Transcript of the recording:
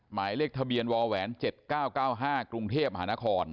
หมายเลขทะเบียนวแหวน๗๙๙๕กรุงเทพมหานคร